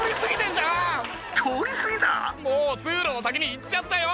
もう通路の先に行っちゃったよ！